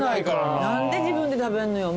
何で自分で食べんのよ。